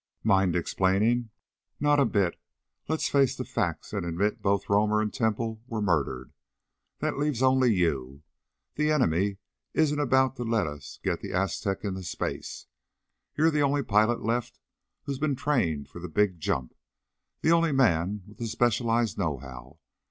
"Mind explaining?" "Not a bit. Let's face the facts and admit both Romer and Temple were murdered. That leaves only you. The enemy isn't about to let us get the Aztec into space. You're the only pilot left who's been trained for the big jump the only man with the specialized know how.